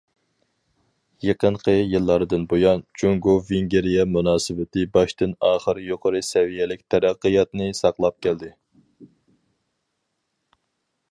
يېقىنقى يىللاردىن بۇيان، جۇڭگو- ۋېنگىرىيە مۇناسىۋىتى باشتىن- ئاخىر يۇقىرى سەۋىيەلىك تەرەققىياتنى ساقلاپ كەلدى.